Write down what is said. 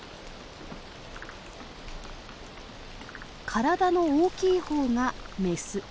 体の大きい方がメス。